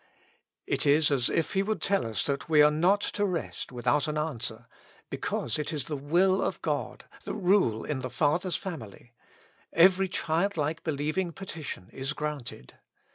It is as if He would tell us that we are not to rest without an answer, because it is the will of God, the rule in the Father's family : every childlike believing petition is granted.